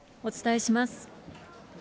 お伝えします。